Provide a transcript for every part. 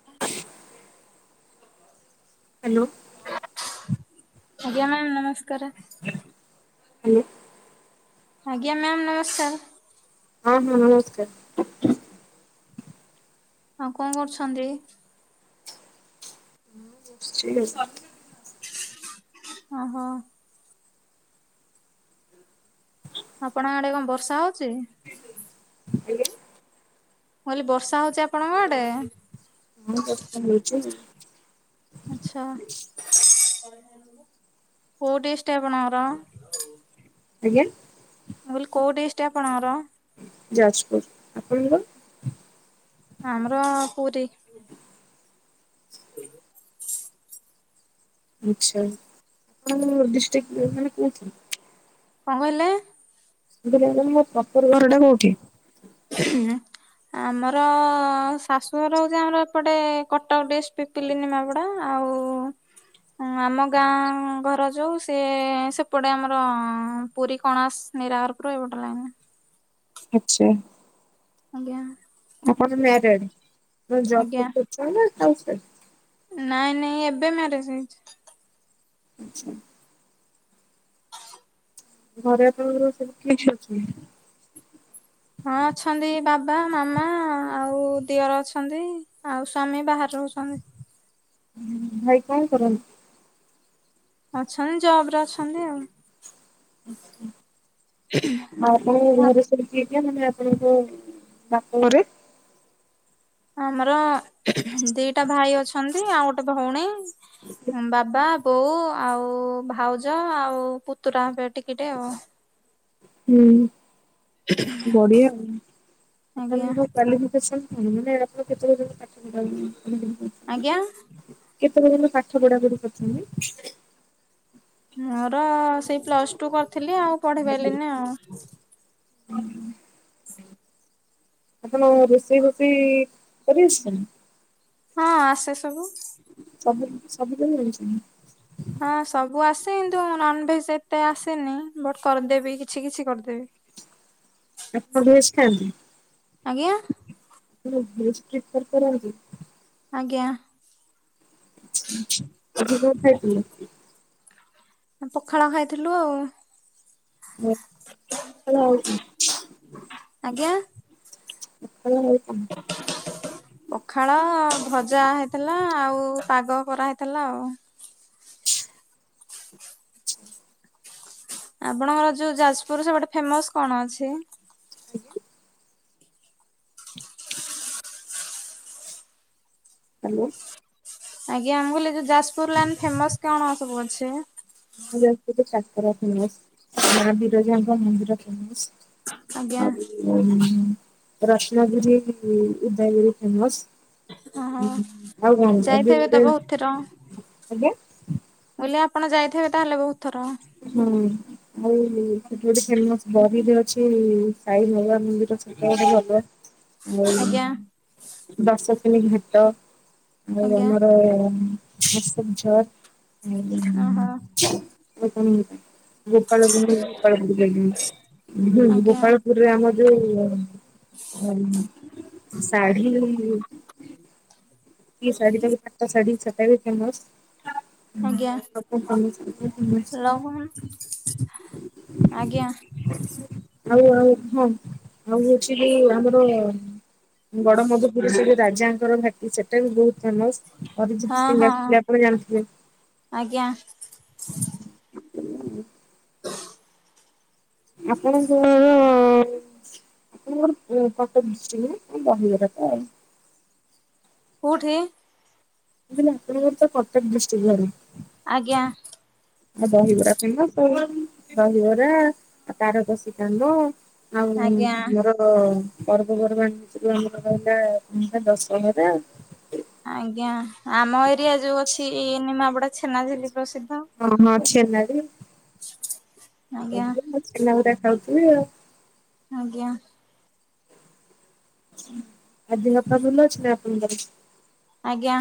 [unintelligible] Hello. ଆଜ୍ଞା ନମସ୍କାର। Hello. ଆଜ୍ଞା ମ୍ୟାମ୍ ନମସ୍କାର। ହଁଉ ନମସ୍କାର। ଆଉ କ କରୁଛନ୍ତି? [inaudible] ଓହୋ। ଆପଣଙ୍କ ଆଡେ କ ବର୍ଷା ହଉଛି? ମୁଁ ଆଜ୍ଞା। କଲି ବର୍ଷା ହଉଚି ଆପଣଙ୍କ ଆଡେ? ହଁ ବର୍ଷା ହଉଛି ଆଉ। ଆଚ୍ଛା କୋଉ ଡିସ ଟା ଆପଣଙ୍କର? ଆଜ୍ଞା। ମୁଁ କଇଲି କୋଉ ଡିଷ୍ଟ ଆପଣଙ୍କର? ଯାଜପୁର, ଆପଣଙ୍କର? ଆମର ପୁରୀ। [unintelligible] ଆଚ୍ଛା [unintelligible] ମାନେ କୋଉଠି? କ କହିଲେ? [unintelligible] ପତର ଘରଟା କୋଉଠି? ଆମର ଶାଶୁଘର ହୋଉଛି ଆମର ଏପଟେ କଟକ ଡିଷ୍ଟିକ [unintelligible] ଆଉ ହଁ ଆମ ଗାଁ ଘର ଯୋଉ ସେ ସେପଟେ ଆମର ପୁରୀ କଣାସ ନାଇ [unintelligible] ଇଛେ। ଆଜ୍ଞା। [unintelligible] ଯୋଉ ଜବ୍ କୋଉଠି କରୁଚନ୍ତି ଆଜ୍ଞା ନା ହାଉସ୍ ୱାଇଫ? ନାଇଁ ନାଇଁ ଏବେ ମ୍ୟାରେଜ ହେଇଛି। ଆଚ୍ଛା। ଘରେ ଆପଣଙ୍କର ସବୁ କିଏ କିଏ ଅଛନ୍ତି? ହଁ ଅଛନ୍ତି, ବାବା ମାମା ଆଉ ଦିଅର ଅଛନ୍ତି ଆଉ ସ୍ଵାମୀ ବାହରେ ରହୁଛନ୍ତି। ଭାଇ କ କରନ୍ ଅଛନ୍ତି ଜବ ରେ ଅଛନ୍ତି ଆଉ। [inaudible] [unintelligible] ଆପଣଙ୍କ ବାପଘରେ? ଆମର ଦିଟା ଭାଇ ଅଛନ୍ତି, ଆଉ ଗୋଟେ ଭଉଣୀ ବାବା ବୋଉ ଆଉ ଭାଉଜ ଆଉ ପୁତୁରା ହେବେ ଟିକେ ଟେ ଆଉ। ହୁଁ ବଢିଆ ଆଜ୍ଞା ଆପଣଙ୍କ କ୍ୱାଲିଫିକେସନ [unintelligible] ଆଜ୍ଞା। କେତେ ପର୍ଯ୍ୟନ୍ତ ପାଠ ପଢାପଢି କରିଛନ୍ତି। ମୋର ସେଇ ପ୍ଲସ ଟୁ କରିଥିଲି ଆଉ ପଢ଼ି ପାଇଲିନି ଆଉ। ହୁଁ। ଆପଣ ରୋଷେଇ ବୋଷେଇ କରି ଆସୁଚୀନା। ହଁ ଆସେ ସବୁ। ସବୁ ସବୁ [unintelligible] ହଁ ସବୁ ଆସେ, କିନ୍ତୁ ନନଭେଜ ଏତେ ଆସେନି ବଟ୍ କରିଦେବି କିଛି କିଛି କରିଦେବି। ଆପଣ ଭେଜ ଖାଆନ୍ତି। ଆଜ୍ଞା। କଣ ଭେକ ପ୍ରିଫର କରନ୍ତି। ଆଜ୍ଞା। ଆଜି କଣ ଖାଇଥିଲ। ପଖାଳ ଖାଇଥିଲୁ ଆଉ। [unintelligible] ପଖାଳ ଆଉ ଆଜ୍ଞା। କ ପଖାଳ ଭଜା ହେଇଥିଲା ଆଉ ପାଗ କରାହେଇଥିଲା ଆଉ। ଆଛା। ଆପଣଙ୍କର ଯୋଉ ଯାଜପୁର ସେପଟେ ଫେମସ କଣ ଅଛି। ଆଜ୍ଞା। ହ୍ୟାଲୋ। ଆଜ୍ଞା ଆମେ କହିଲୁ ଯାଜପୁର ଲାଇନ୍ ଫେମସ କଣ ସବୁ ଅଛି। ଆମ ଯାଜପୁରରେ କାକରା ଫେମସ ମା ବିରଜାଙ୍କ ମନ୍ଦିର ଫେମସ। ଆଜ୍ଞା [unintelligible] ରତ୍ନାଗିରି ଉଦୟଗିରି ଫେମସ। ଓହୋ ଆଉ କଣ ଏବେ ଯାଇଥିବେ ତ ଗୋଟେ ବହୁତ ଥର। ଆଜ୍ଞା। ମୁଁ କହିଲି ଆପଣ ଯାଇଥିବେ ତାହେଲେ ବହୁତ ଥର। ହଁ। ଆଉ ସେଠି ଗୋଟେ ଫେମସ ବରିରେ ଅଛି ସାଇ ବାବା ମନ୍ଦିର ସେଇଟା ଗୋଟେ ଭଲ। [inaudible] ଆଉ ଆଜ୍ଞା ଦଶ୍ୱାସ ମେଧ ଘାଟ ଆଉ ଆଜ୍ଞା ଆମର [unintelligible] ଓହୋ। ଆଉ କଣ ଗୋପାଳପୁର ଗୋପାଳପୁର ଆଜ୍ଞା ଗୋପାଳ ପୁର ଆମ ଯୋଉ ଶାଢ଼ୀ କି ଶାଢ଼ୀ ପାଟ ଶାଢ଼ୀ ସେଟା ବି ଫେମସ। [unintelligible] ଲହୁ ଆଜ୍ଞା? ଆଉ ଆଉ ହଁ ଆଉ ହଉଛି ବି ଆମର ଗଡ଼ ମଧୁପୁର ସେ ଯୋଉଁ ରାଜାଙ୍କର ଭାଟି ସେଠ ସେଟା ବି ବହୁତ ଫେମସ ଅରିଜିତ ହଁ ସିଂ ହଁ ଆସିଥିଲେ ଆପଣ ଜାଣିଥିଲେ ଆଜ୍ଞା। [inaudible] ଆପଣଙ୍କ ଆପଣଙ୍କର କଟକ ଡିଷ୍ଟ୍ରିକ୍ଟରେ ଦହି ବରା ତ? କୋଉଠି? [unintelligible] କଟକ ଡିିଷ୍ଟ୍ରିକ ଆଡ଼େ ଆଜ୍ଞା। ଆଉ ଦହିବରା ଫେମସ ଆଉ ଦହିବରା ଆଉ ତାରକସି କାନ୍ଦ ଆଉ ଆଜ୍ଞା। [unintelligible] ହ ପର୍ବପର୍ବାଣି ଭିତରୁ ଆମର ରହିଲା ଦଶହରା। ଆଜ୍ଞା ଆମ ଏରିଆ ଯୋଉ ଅଛି ଏଇ ନିିମାପଡା ଛେନା ଝିଲି ପ୍ରସିଦ୍ଧ। ହଁ ହଁ ଛେନା ଝିଲ୍।। [inaudible] ଛେନାଉରା ଖାଉଥିବେ ଆଉ। ଆଜ୍ଞା। ଆଉ ଦେହ ପା ବଲ ଅଛିନା ଆପଣଙ୍କର। ଆଜ୍ଞା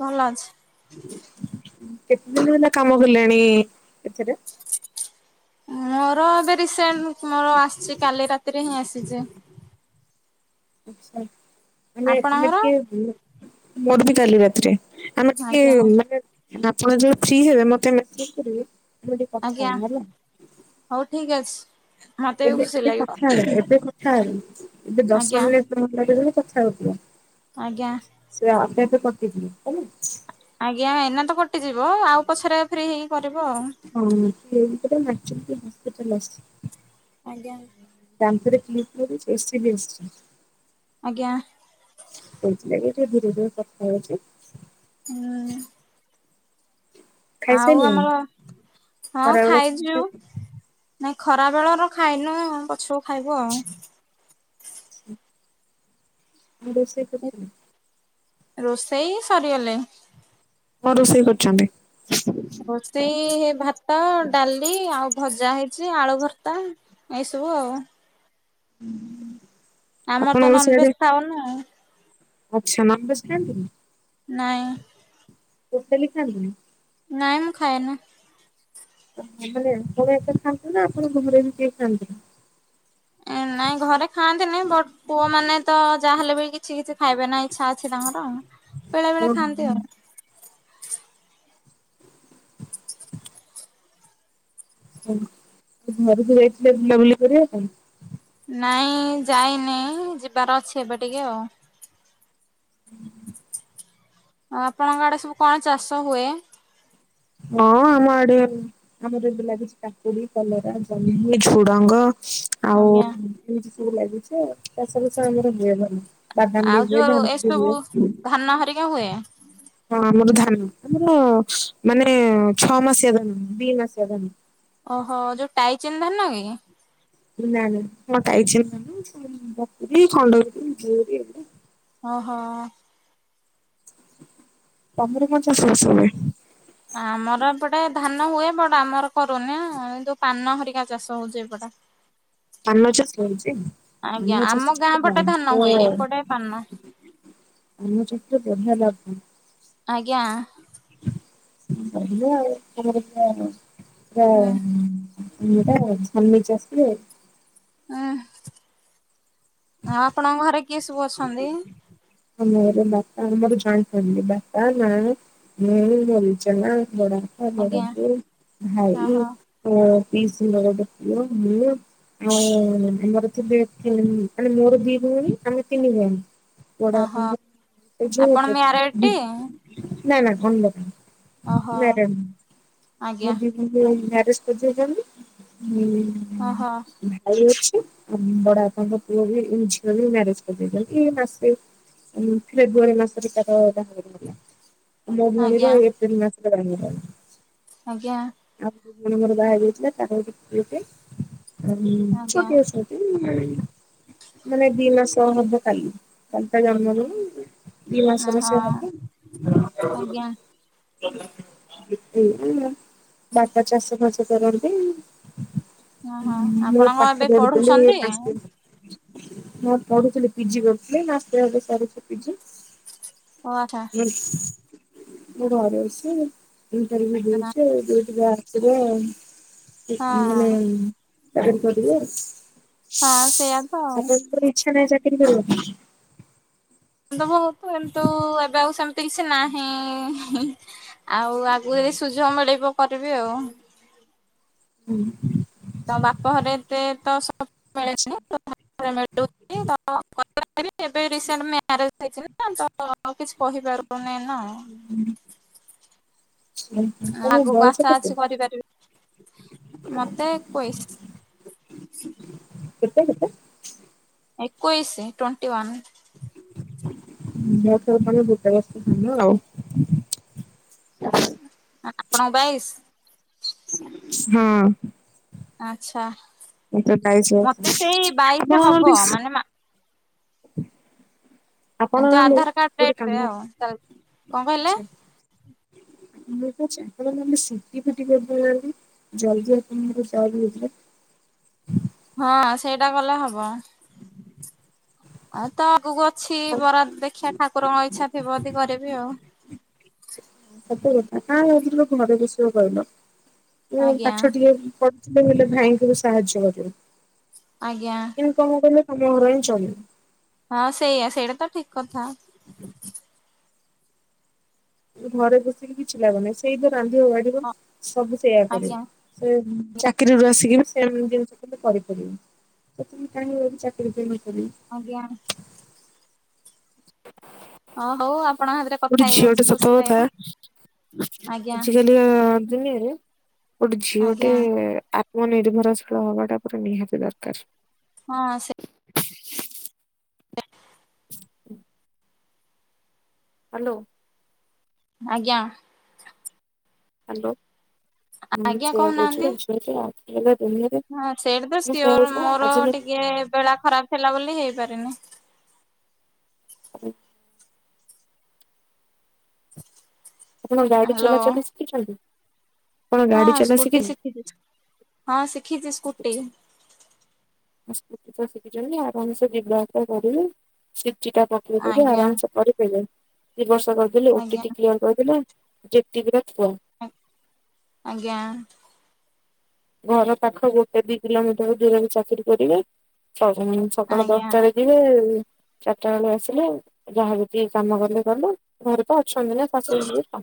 ଭଲ ଅଛି। କେତେ ଦିନ ହେଲା କାମ କଲେଣି ଏଥିରେ। ମୋର ଏବେ ରିସେଣ୍ଟ ମୋର ଆସିଚି କାଲି ରାତିରେ ହିଁ ଆସିଚି। ଆଛା ଆମେ ଆମେ ଆପଣଙ୍କର? କେ ମୋର ବି କାଲି ରାତିରେ ଆମେ ଟିକେ ଆଜ୍ଞା ମାନେ ହେଲେ ଆପଣ ଯୋଉ ଫ୍ରି ହେବେ ମତେ ମେସେଜ କରିବେ। ଆମେ ଟିକେ କଥା ଆଜ୍ଞା ହବା ହେଲା। ହଉ ଠିକ ଅଛି। ମତେ ବି ଏବେ ଖୁସି ଏବେ ଲାଗିବ କଥା ଏବେ କ ଥାଇ ଏବେ ଦଶ ଆଜ୍ଞା ମିନିଟ [unintelligible] କଥା ହଉଥିବ। ଆଜ୍ଞା। ସେ ଆପ ଆପେ କଟିବ ହେଲା। ଆଜ୍ଞା ଏନା ତ କଟିଯିବ ଆଉ ପଛରେ ଫ୍ରି ହେଇକି କରିବ ଆଉ। ହଁ [unintelligible] ହସପିଟାଲ। ଆସଚି।। ଆଜ୍ଞା। [unintelligible] ଆଜ୍ଞା। କୁଥିଲେ କି ଟିକେ ଧିରେ ଧିରେ କଥା ହଉଚି। ହୁଁ। ଆଉ ଖାଇସାରିଲେଣି? ଆମର ହଁ ଖରାବେଳ ମୁଁ ଖାଇଚୁ। ନାଇଁ ଖରା ବେଳର ଖାଇନଉଁ ପଛକୁ ଖାଇବୁ ଆଉ। ରୋସେଇ କରିଥିଲେ। ରୋଷେଇ ସରିଗଲେ। କଣ ରୋଷେଇ କରିଚନ୍ତି। ରୋଷେଇ ଭାତ ଡାଲି ଆଉ ଭଜା ହେଇଚି ଆଳୁ ଭର୍ତ୍ତା। ଏଇସବୁ ଆଉ। ହୁଁ। ଆମର ତ ନନଭେଜ ଖାଉନୁ ଆଉ। ଆଚ୍ଛା ନନ୍ଭେଜ ଖାନ୍ତିନି। ନାଇଁ। ଟୋଟାଲି ଖାନ୍ତିନି। ନାଇଁ ମୁଁ ଖାଏନା। ଆପଣ ଏତେ ଖାଆନ୍ତିୁ ନା ଆପଣ ଘରେ ବି କେହି ଖାଆନ୍ତିନି। ଏ ନାଇଁ ଘରେ ଖାଆନ୍ତିନି ବଟ ପୁଅ ମାନେ ତ ଯାହାହେଲେ ବି କିଛି କିଛି କିଛି ଖାଇବେ ନା ଇଚ୍ଛା ଅଛି ତାଙ୍କର। ବେଳେ ବେଳେ ଓ ହୋ। ଖାଆନ୍ତି ଆଉ। ହ ଘରକୁ ଯାଇଥିଲେ ବୁଲାବୁଲି କରିବା ପାଇଁ। ନାଇଁ ଯାଇନି ଯିବାର ଅଛି ଏବେ ଟିକେ ଆଉ। ହ ଅ ଆପଣଙ୍କ ଆଡେ ସବୁ କଣ ଚାଷ ହୁଏ। ହଁ ଆମ ଆଡିଆ। ଆମର ଏବେ ଲାଗୁଚି କାକୁଡି କଲରା ଜହ୍ନି ଝୁଡଙ୍ଗ। ଆଉ ଆଜ୍ଞା। ଏମିତି ସବୁ ଲାଗିଚି ଚାଷ ବାଷ ଆମର ହୁଏ ଭଲ। ପଦ ଆଉ ଦିବ ଯୋଉ ଜନ୍ଦ ଏସବୁ ଦିବ ଧାନ ହରିକା ହୁଏ ହଁ ଆମର ଧାନ ଆମର ମାନେ ଛଅ ମାସିଆ ଜଣ ଦି ମାସିଆ ଦଣ ଓହୋ ଯୋଉ ଟାଇ ଚେନ୍ ଧରିନ କି ନା ନାାଇଁ ମୁଟାଇଛିୀ ଖଣ୍ଡ ଓହୋ ତମର ପଞ୍ଚାଶଷ ହୁଏ ଆମର ଏପଟେ ଧାନ ହୁଏ ବଡ ଆମର କରୁନି ଏ ଯୋଉ ପାନ ହରିକା ଚାଷ ହଉଛି ଏପଟେ ହଁ ପାନ ଚାଷ ରହିଛି ଆଜ୍ଞା ପାନ ଆମ ଚାଷ ଗାଁ ପଟେ ଧାନ ହୁଏ ଏପଟେ ପାନ ଆମ ଟ ତେ ବଢିଆ ଲାଗବ ଆଜ୍ଞା [unintelligible] ମୁଟା ହୁଁ ଛଚ ଆଷିବ ହୁଁ ଆପଣଙ୍କ ଘରେ କିଏ ସବୁ ଅଛନ୍ତି ଆମର ବାପା ଆ ମର ଜଏଣ୍ଟ ଫ୍ୟାମିଲି ବାପା ମା ହୁଁ ମରିଚନା ବଡ଼କା ବଡ଼ ଆଜ୍ଞା ବ ଭାଇ ଓହୋ ଓ ପିଇଶି ଘର ର ପୁଅ ମୁ ଆଉ ଆମର ତ ମାନେ ମୋର ଦି ଭଉଣୀ ଆମେ ତିନି ଜଣୀ ଓହୋ ପ ଆପଣ ମ୍ୟାରେଡ ଟି? ନା ନା ଓହୋ ଖଣ୍ଡପ ଆଜ୍ଞା ମ ମ୍ୟାରେଜ କରି ଓହୋ ଭାଇ ଅଛି ଆଉ ବଡ ବାପାଙ୍କ ପୁଅ ବି ଝିଅ ବି ମାର ଏଇ ମାସେ ଫେବୃୁଆରୀ ମାସରେ ତାର ବାହାର ହେଲା ମୋ ମନ୍ଦିର ଆଜ୍ଞା ଏପ୍ରିଲ ମାସରେ ର ଆଜ୍ଞା ଆଉ ଯୋଉ ଆମର ବାହା ଯାଇଥିଲା ତାର ଗୋଟେ ଆଜ୍ଞା। ଛୋତିଆ ମାନେ ଦି ମାସ ହବ କାଲି କାଲିତା ଜନ୍ମରୁ କି ମାସର ଓହୋ ସେ ଆଜ୍ଞା ଏ ବାପା ଚାଷ ମାସ କରନ୍ତି ଓହୋ ମୁଁ ଆପଣ କଣ ଏବେ ପାଠ ପଢୁଥିଲି ପଢୁଛନ୍ତି? ହାଇ ସ୍କୁଲ ମୋରଥିଲ ପିଜି ଗଥିଲି ନା ସାର ପିଜି ହଛା ମୁଁ ଘରେ ଅଛି ଇଣ୍ଟରଭିୁ ଦେଇଛି ଦ ମାନେ ହଁ ବାହାରକୁ ହଁ ସେଇଆା ତ ଆଉ ଛା ନ ଯାତି ହେ ବହୁତ ଏମୁ ଏବେ ଆଉ ସେମ ଏ କିଛି ନାହିଁ ଆଉ ଆଗ ଯ ସୁଯୋଗ ମିଳିବ କରିବି ଆଉ ହୁଁ ତ ବାପ ଘରେ ଏତେ ତ ସ ମିଳେନିଳୁ ତ ଏବେ ରିସେଣ୍ଟ ମ୍ୟାରେଜ ହେଇ ନା ତଉ କିଛି କହିପାରୁନି ନା ତମ ଆଗକୁ ଆଶା ବୟସ ଅଛି କେତେ କରିପାରିବି ମତେ ଏକୋଇଶ କେତ କେ ଏକୁୋଇଇସି ଟ୍ୱଣ୍ଟିୱନ୍ ରେ ଭଟାଲ ଆଉ ହ ଆପଣ ବାଇଶ ହଁ ଆଚ୍ଛା ମତେ ବାଇଶି ମତେ ବର୍ଷ। ସେଇ ଆପଣ ବାଇଶି ହବ ନହେଲେ ମାନେ ମା [inaudible] ଆପଣ ଏମତି ନଲେ ଆଧାର କାର୍ଡ ଗୋଟେ ଡେଟ ରେ କାମା ଆଉ ଚାଲିଛି। କଣ କହିଲେ? ଆଚ୍ଛା। ମୁଁ କଛିପମେ ସିଟି ଫିଟି କରିଦେଲେ ନି ଜଲଦି ଆପଣ ହେଇଥିଲା ହଁ ସେଇଟା କଲେ ହବ। ଆଉ ତ ଆଗକୁ ଅଛି ବରା ଦେଖିିବା ଠାକୁରଙ୍କ ଇଚ୍ଛା ଥିବ ଯଦି କରିବି ଆଉ। ସତ କଥା କା ହେିବ କଣର ବିଷ କହିଲ ଏ ଆଜ୍ଞା କଠ ଟିକେ ପ ଗେ ଭାଇଙ୍କ ରୁ ସାହାଯ୍ୟ କରିବ। ଆଜ୍ଞା। କଣ କିଲେ ତମ ଘର ହିଁ ଚମି ହଁ ସେଇଆା ସେଇଟା ତ ଠିକ କଥା। ଘରେ ବସିକି କିଛି ଲାଗୁନିଁ ସେଇଦ ରାନ୍ଧିବ ବାଢିବ ହଁ ସବୁ ସେଇଆ କରିବ। ଆଜ୍ଞା ସେ ଚାକିରିରୁୁ ଆସିକି ବି ସେ ଜିନିଷ କେ କରିପାରିବେ। ତମ କହି ଚାକିରି ଦେଇ ନ କରି। ଆଜ୍ଞା। ହଁ ହଉ ଆପଣ ଗୋଟେ ଝିଅ ଟା ସତ ଥାଏ ଆଜ୍ଞା ଆଜିକାଲି ଦିନରେ ଗୋଟେ ଝିଅ ଗୋଟେ ଆଜ୍ଞା ମୋ ନିର୍ଭରଶୀଳ ହବାଟା ପରେ ନିହାତି ଦରକାର। ହଁ ସେ ହାଲୋ। ଆଜ୍ଞା। ହ୍ୟାଲୋ ହୁଁ ଆଜ୍ଞା ସେଇଆ କହୁଛ କହୁନାହାନ୍ତି। ଦୁନିଆରେ ହଁ ସେଇଠି ତ ମୁଁ ସେଇଆ ସିଓର କହୁଛି ପା ମୋର ଆଜିକାଲି ଟିକେ ବେଳା ଖରାପ ଥିଲା ବୋଲି ହେଇପାରିନି। ହୁଁ। ଆପଣ ଗାଡି ହ୍ୟାଲୋ। ଚଲାଚଲି ଶିଖିଛନ୍ତି। ଆପଣ ହଁ ଗାଡି ଚଲା ସ୍କୁଟି ଶିଖିଛନ୍ତି? ଶିଖିଛି ହଁ ଶିଖିଛି ସ୍କୁଟି। ସ୍ ତ ଶିଖିଛନ୍ତି ଆରାମ ସେ ଯିବା ଆସା କରିଲି ସିିଟା ପକେଇଦବି ଆଜ୍ଞା ଆରାମସ କରି ଦଇ ବର୍ଷ କରିଦେଲେ ଆଜ୍ଞା ଓଟିଟି କ୍ୟର କରିଦ ଯେ ଆଜ୍ଞା। ଘର ପାଖ ଗୋଟେ ଦି କିଲୋମିଟର ଦୂରରେ ଚାକିରି କରିବେ ସକାଳ ଆଜ୍ଞା ଦଶଟାରେ। ସେ ଚାରିଟା ବେଳ ଆସିଲେ ଯାହାବ ଟିକେ କାମ କଲେ କଲୁ ଘରେ ତ ଅଛନ୍ତି ନା।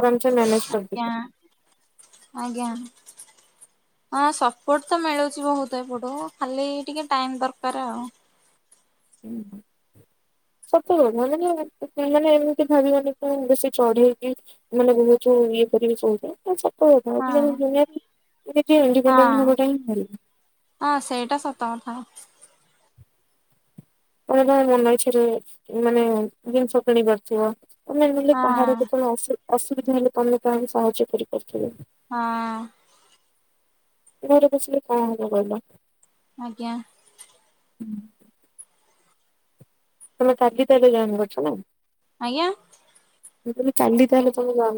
ଆରାାମ ସେ ମୋନେଜ କର ଆଜ୍ଞା ଆଜ୍ଞା। ହଁ ସପୋର୍ଟ ତ ମିଳୁଛି ବହୁତ ଏପଟୁ ଖାଲି ଟିକେ ଟାଇମ ଦରକାର ଆଉ। [unintelligible] ସତ ମାନେ ମାନେ ଏମିତି ଭାବିବନି ତ ବେଶୀ ଚଢେଇକି ମାନେ ବହୁତ ଇଏ କରିବି କଉଚ ସତ କଥା ହଁ ଆଜିକାଲି ହଁ ଇଡିପେଣ୍ଡନେ ହେବାଟା ଖରାପ ହଁ ସେଇଟା ସତ କଥା। କେଭେ କେଭେ ମନ ଇଛରେ ମାନେ ଜିନିଷ କିଣି ପାରୁଥିବ ତମେ ନଲେ କାହାର ହଁ କେତବେଳେ ଅସୁବିଧା ହେଲେ ତମେ କାହାକୁ ସାହାଯ୍ୟ କରିପାରିବ। ହଁ। ଘର ବଝିଲେ କଣ ହେଲା କହିଲ? ଆଜ୍ଞା। ତମେ କାଲି ତାଲେ ଜାଣି କରୁଛ ନା। ଆଜ୍ଞା। ମୁଁ କଇଲି କାଲି ତାହାଲେ ତମେ ଯ